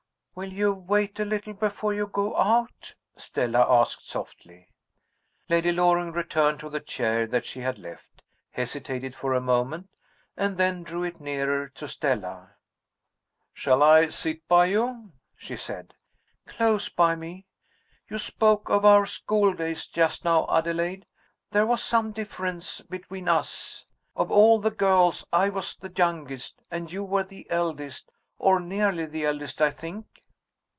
"Will you wait a little before you go out?" Stella asked softly. Lady Loring returned to the chair that she had left hesitated for a moment and then drew it nearer to Stella. "Shall I sit by you?" she said. "Close by me. You spoke of our school days just now Adelaide. There was some difference between us. Of all the girls I was the youngest and you were the eldest, or nearly the eldest, I think?"